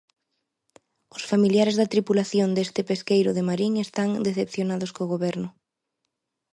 Os familiares da tripulación deste pesqueiro de Marín están decepcionados co Goberno.